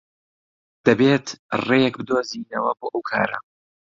دەبێت ڕێیەک بدۆزینەوە بۆ ئەو کارە.